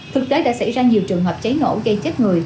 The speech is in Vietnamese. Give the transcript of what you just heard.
thực tế đã xảy ra nhiều trường hợp cháy nổ gây chết người